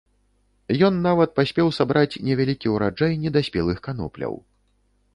Ён нават паспеў сабраць невялікі ўраджай недаспелых канопляў.